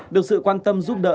được sự quan tâm giúp đỡ